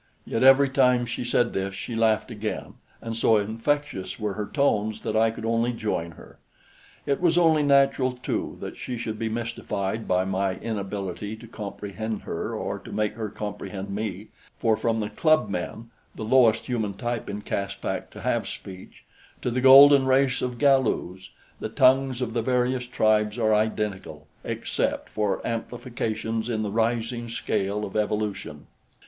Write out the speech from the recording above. Yet every time she said this she laughed again, and so infectious were her tones that I could only join her. It was only natural, too, that she should be mystified by my inability to comprehend her or to make her comprehend me, for from the club men, the lowest human type in Caspak to have speech, to the golden race of Galus, the tongues of the various tribes are identical except for amplifications in the rising scale of evolution.